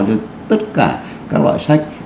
rồi tất cả các loại sách